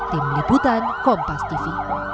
tim liputan kompas tv